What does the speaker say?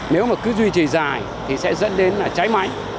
nếu mà cứ duy trì dài thì sẽ dẫn đến là cháy máy